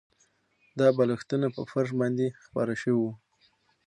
دا بالښتونه په فرش باندې خپاره شوي وو